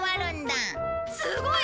すごい！